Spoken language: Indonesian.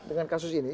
dengan kasus ini